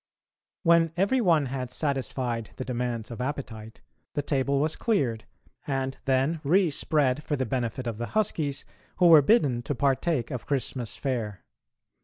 When every one had satisfied the demands of appetite, the table was cleared, and then re spread for the benefit of the "huskies," who were bidden to partake of Christmas fare.